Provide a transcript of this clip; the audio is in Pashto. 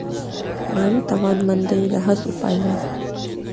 مالي توانمندي د هڅو پایله ده.